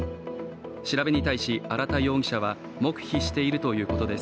調べに対し、荒田容疑者は黙秘しているということです。